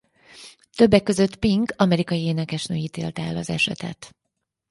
Többek között Pink amerikai énekesnő ítélte el az esetet.